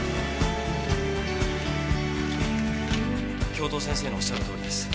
教頭先生のおっしゃるとおりです。